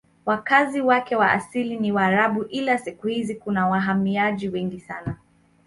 Wakazi wake wa asili ni Waarabu ila siku hizi kuna wahamiaji wengi sana.